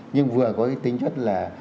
nhưng vừa có cái tính chất là